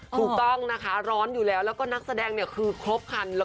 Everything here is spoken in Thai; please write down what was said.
ถูกต้องนะคะร้อนอยู่แล้วแล้วก็นักแสดงเนี่ยคือครบคัน